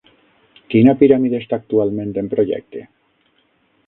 Quina piràmide està actualment en projecte?